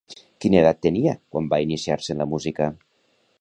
Quina edat tenia quan va iniciar-se en la música?